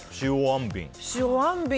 塩あんびん